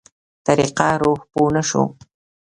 طريقه روح پوه نه شو.